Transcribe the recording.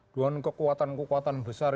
dengan kekuatan kekuatan besar